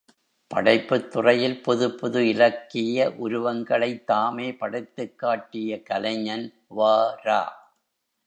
படைப்புத் துறையில் புதுப்புது இலக்கிய உருவங்களைத் தாமே படைத்துக் காட்டிய கலைஞன் வ.ரா.